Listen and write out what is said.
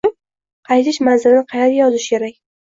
Qaytish manzilini qayerga yozish kerak?